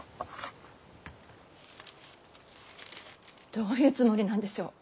どういうつもりなんでしょう。